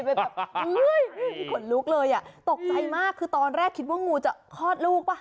ขนลุกเลยอ่ะตกใจมากคือตอนแรกคิดว่างูจะคลอดลูกป่ะ